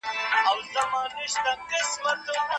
غاښونه سپین او روغ پاتې کیږي.